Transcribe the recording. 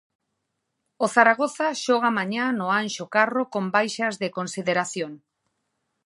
O Zaragoza xoga mañá no Anxo Carro con baixas de consideración.